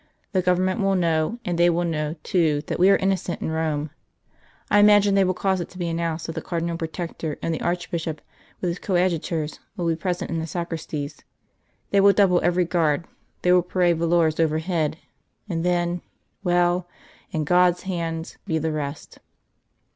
The Government will know, and they will know, too, that we are innocent in Rome. I imagine they will cause it to be announced that the Cardinal Protector and the Archbishop, with his coadjutors, will be present in the sacristies. They will double every guard; they will parade volors overhead and then well! in God's hands be the rest."